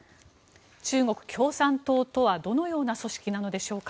中国共産党とはどのような組織なのでしょうか。